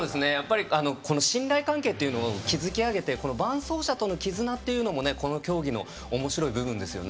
この信頼関係というのを築き上げて伴走者とのきずなもこの競技のおもしろい部分ですね。